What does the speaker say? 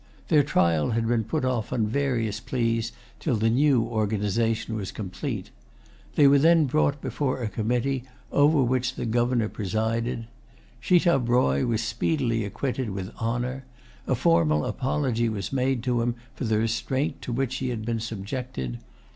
Their trial had been put off on various pleas till the new organization was complete. They were then brought before a committee, over which the Governor presided. Schitab Roy was speedily acquitted with honor. A formal apology was made to him for the restraint to which he had been subjected.